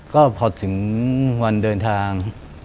ก็พอถึงวันเดินทาง